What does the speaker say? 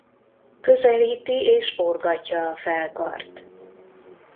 Közelíti és forgatja a felkart.